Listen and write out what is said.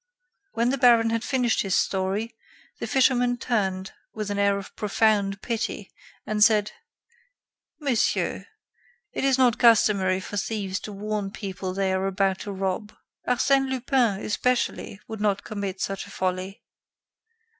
When the baron had finished his story, the fisherman turned, with an air of profound pity, and said: "Monsieur, it is not customary for thieves to warn people they are about to rob. Arsène Lupin, especially, would not commit such a folly."